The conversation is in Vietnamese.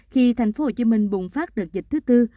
khi tp hcm bùng phát đợt dịch thứ tư